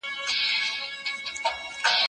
چې دا یو تصادفي غبرګون نه